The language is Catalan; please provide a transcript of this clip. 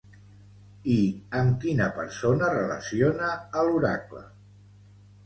I amb quina persona relaciona l'oracle?